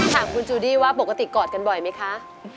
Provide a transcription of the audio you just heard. ถามคุณจูดี้ว่าปกติกอดกันบ่อยไหมคะ